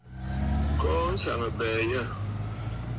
Kɔɔ nsaŋabɛ̀ɛ yâ.